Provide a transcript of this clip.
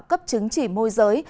cấp chứng chỉ môi giới